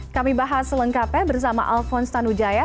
kami bahas selengkapnya bersama alphonse tanujaya